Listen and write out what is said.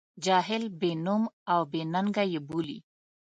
جاهل، بې نوم او بې ننګه یې بولي.